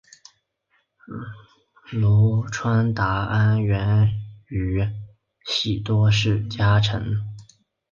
户川达安原宇喜多氏家臣。